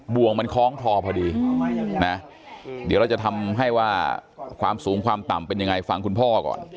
วงมันคล้องคลอพอดีนะเดี๋ยวเราจะทำให้ว่าความสูงความต่ำเป็นยังไงฟังคุณพ่อก่อน